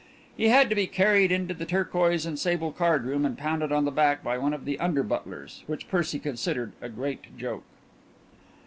He had to be carried into the turquoise and sable card room and pounded on the back by one of the under butlers, which Percy considered a great joke.